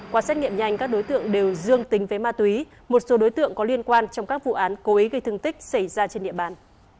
qua xét nghiệm nhanh các đối tượng đều dương tính với ma túy một số đối tượng có liên quan trong các vụ án cố ý gây thương tích xảy ra trên địa bàn